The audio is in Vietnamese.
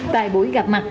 tại buổi gặp mặt